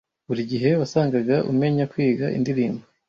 Buri gihe wasangaga umenya kwiga indirimbo